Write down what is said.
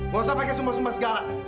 mau usah pake sumpah sumpah segala